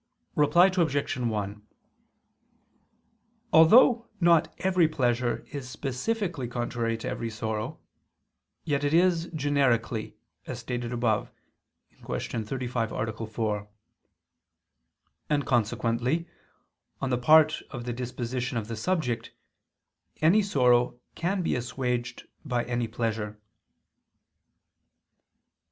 Reply Obj. 1: Although not every pleasure is specifically contrary to every sorrow, yet it is generically, as stated above (Q. 35, A. 4). And consequently, on the part of the disposition of the subject, any sorrow can be assuaged by any pleasure.